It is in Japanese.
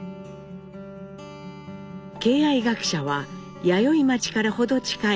敬愛学舎は弥生町から程近い